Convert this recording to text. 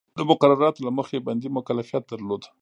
د مقرراتو له مخې بندي مکلفیت درلود.